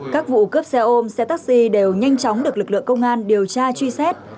các vụ cướp xe ôm xe taxi đều nhanh chóng được lực lượng công an điều tra truy xét